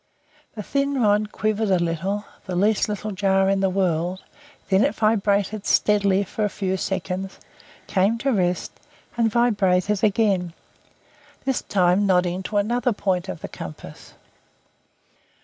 The thin rod quivered a little the least little jar in the world; then it vibrated steadily for a few seconds, came to rest, and vibrated again, this time nodding to another point of the compass.